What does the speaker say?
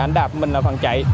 anh đạp mình là phần chạy